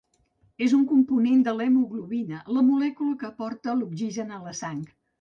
És un component de l'hemoglobina, la molècula que porta l'oxigen a la sang.